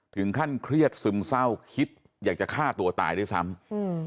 ถึงขั้นเครียดซึมเศร้าคิดอยากจะฆ่าตัวตายด้วยซ้ำอืม